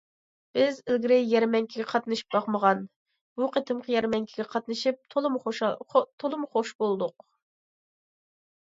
بىز ئىلگىرى يەرمەنكىگە قاتنىشىپ باقمىغان، بۇ قېتىمقى يەرمەنكىگە قاتنىشىپ تولىمۇ خۇش بولدۇق.